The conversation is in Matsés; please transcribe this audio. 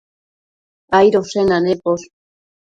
Aidoshenda neposh